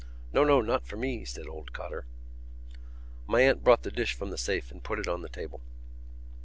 "No, no, not for me," said old Cotter. My aunt brought the dish from the safe and put it on the table.